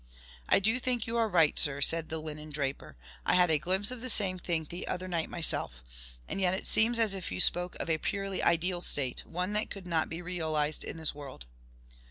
"I do think you are right, sir," said the linen draper. "I had a glimpse of the same thing the other night myself. And yet it seems as if you spoke of a purely ideal state one that could not be realised in this world."